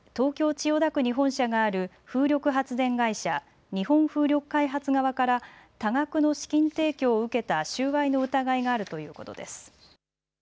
千代田区に本社がある風力発電会社、日本風力開発側から多額の資金提供を受けた収賄の疑いがあるということです。